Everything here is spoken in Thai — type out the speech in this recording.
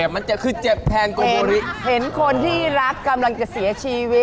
มันจะเจ็บแทนโกบริ